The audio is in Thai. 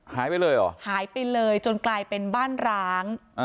หายไปเลยเหรอหายไปเลยจนกลายเป็นบ้านร้าง